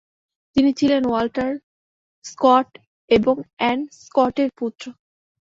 তিনি ছিলেন Walter Scott এবং অ্যান স্কটের পুত্র।